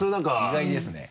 意外ですね。